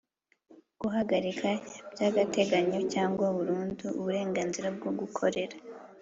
Guhagarika by agateganyo cyangwa burundu uburenganzira bwo gukorera